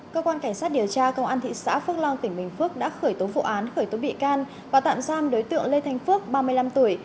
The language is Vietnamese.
cơ quan cảnh sát điều tra công an thị xã phước long tỉnh bình phước đã khởi tố vụ án khởi tố bị can và tạm giam đối tượng lê thanh phước ba mươi năm tuổi